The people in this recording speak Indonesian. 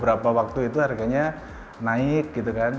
beberapa waktu itu harganya naik gitu kan